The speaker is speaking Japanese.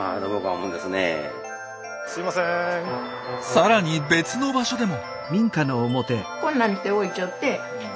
さらに別の場所でも。